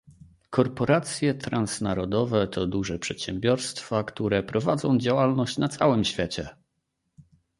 Korporacje transnarodowe to duże przedsiębiorstwa, które prowadzą działalność na całym świecie.